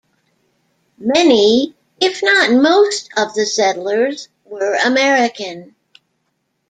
Many, if not most of the settlers, were American.